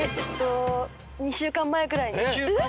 ２週間前ぐらいに。